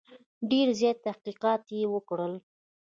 ډېر زیات تحقیقات یې وکړل.